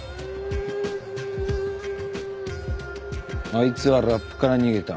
あいつはラップから逃げた。